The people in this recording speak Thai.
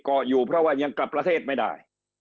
ก็อยู่เพราะว่ายังกลับประเทศไม่ได้